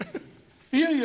いやいや。